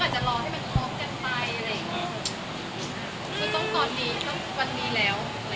จะต้องตอนนี้วันนี้แล้ว